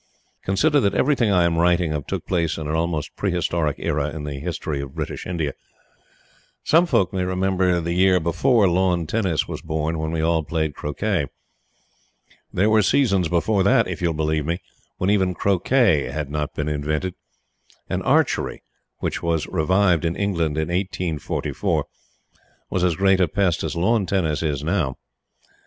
Consider that everything I am writing of took place in an almost pre historic era in the history of British India. Some folk may remember the years before lawn tennis was born when we all played croquet. There were seasons before that, if you will believe me, when even croquet had not been invented, and archery which was revived in England in 1844 was as great a pest as lawn tennis is now.